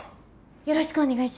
よろしくお願いします。